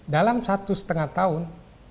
dalam satu setengah tahun